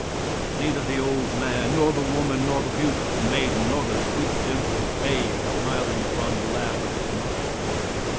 (Neither the old man nor the woman, nor the beautiful maiden, nor the sweet dimpled babe, smiling upon the lap of its mother.)